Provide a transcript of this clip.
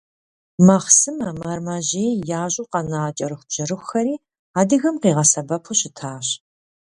Махъсымэ, мэрэмэжьей ящӀу къэна кӀэрыхубжьэрыхухэри адыгэм къигъэсэбэпу щытащ.